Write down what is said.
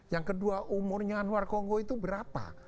yang kedua umurnya anwar kongo itu berapa